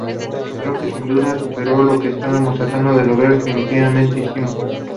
Creo que sin duda superó lo que estábamos tratando de lograr; definitivamente hicimos.